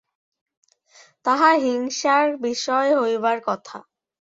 তাহা হিংসার বিষয় হইবার কথা।